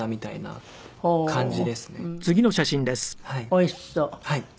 おいしそう。